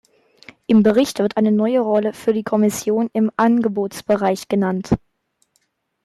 Im Bericht wird eine neue Rolle für die Kommission im Angebotsbereich genannt.